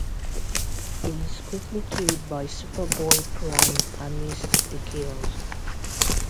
He is quickly killed by Superboy-Prime amidst the chaos.